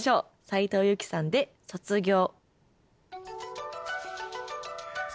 斉藤由貴さんで「卒業」。